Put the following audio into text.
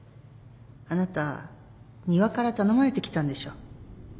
あなた仁和から頼まれて来たんでしょ？